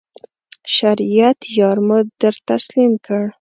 شریعت یار مو در تسلیم کړ.